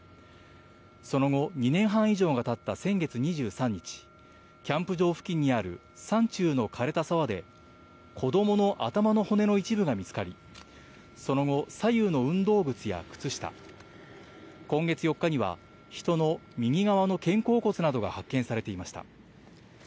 その後、２年半以上がたった先月２３日、キャンプ場付近にある山中のかれた沢で、子どもの頭の骨の一部が見つかり、その後、左右の運動靴や靴下、今月４日には人の右側の肩甲骨などが発見されていました。